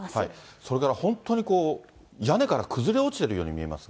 それから本当にこう、屋根から崩れ落ちてるように見えますが。